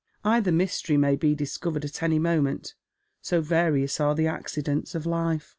Either mystery may be discovered at any moment, so various are the accidents of life.